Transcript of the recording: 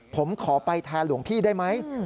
ผมขอไปแทนหลวงพี่ได้ไหม